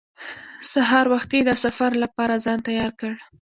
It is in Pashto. سهار وختي د سفر لپاره ځان تیار کړ.